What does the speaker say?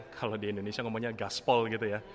kalau di indonesia ngomongnya gaspol gitu ya